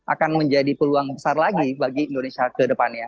akan menjadi peluang besar lagi bagi indonesia ke depannya